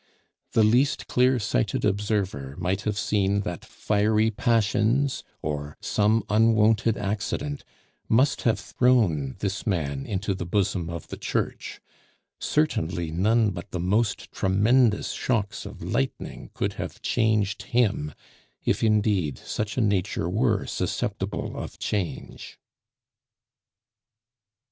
The least clear sighted observer might have seen that fiery passions or some unwonted accident must have thrown this man into the bosom of the Church; certainly none but the most tremendous shocks of lightning could have changed him, if indeed such a nature were susceptible of change.